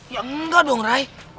ya enggak dong ray